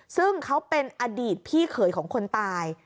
ซึ่งเขาเป็นอดีตพี่เขยของคนตาย